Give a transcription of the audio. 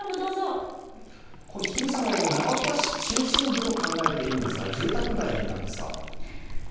日比さんがいるのは長岡市中心部と考えていいんですか、住宅街なんですか？